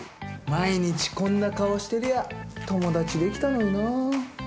毎日こんな顔してりゃ友達できたのにな。